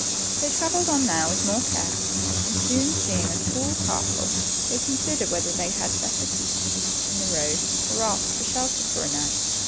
• They travelled on now with more care, and soon seeing a tall castle, they considered whether they had better keep in the road, or ask for shelter for a night.